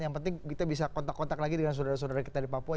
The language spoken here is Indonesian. yang penting kita bisa kontak kontak lagi dengan saudara saudara kita di papua